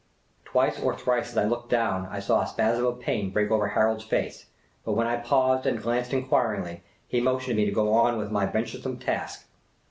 Twice or thrice as I looked down I saw a spasm of pain break over Harold's face ; but when I paused and glanced enquiringly, he motioned me to go on with my venturesome task.